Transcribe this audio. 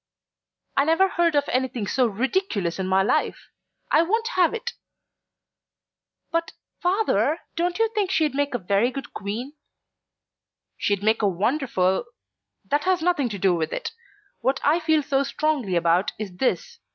"I never heard of anything so ridiculous in my life! I won't have it!" "But, Father, don't you think she'd make a very good Queen?" "She'd make a wonderful that has nothing to do with it. What I feel so strongly about is this.